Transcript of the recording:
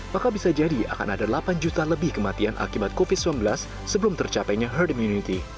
maka bisa jadi akan ada delapan juta lebih kematian akibat covid sembilan belas sebelum tercapainya herd immunity